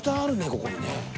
ここにね。